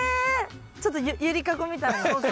ちょっと揺りかごみたいな感じで。